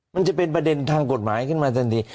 มันจะเป็นประเด็นทางกฎหมายขึ้นมาทันที